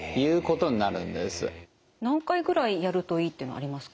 何回ぐらいやるといいっていうのありますか？